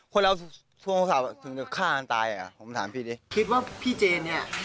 คนเราโทรศัพท์ถึงจะฆ่ากันตายอ่ะผมถามพี่ดิคิดว่าพี่เจนเนี่ย